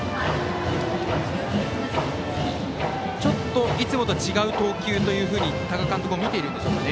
ちょっといつもと違う投球というふうに多賀監督も見ているんでしょうか。